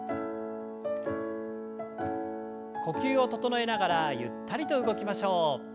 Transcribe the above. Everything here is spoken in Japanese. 呼吸を整えながらゆったりと動きましょう。